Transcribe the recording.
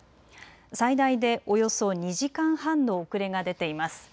最大でおよそ２時間半の遅れが出ています。